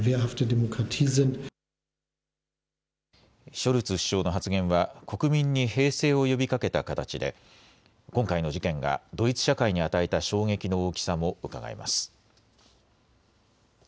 ショルツ首相の発言は国民に平静を呼びかけた形で今回の事件がドイツ社会に与えた衝撃の大きさもうかがえます。